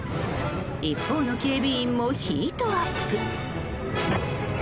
一方の警備員もヒートアップ。